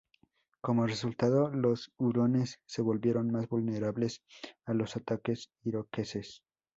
Como resultado, los hurones se volvieron más vulnerables a los ataques iroqueses.